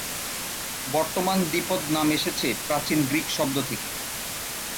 বর্তমান দ্বিপদ নাম এসেছে প্রাচীন গ্রীক শব্দ থেকে।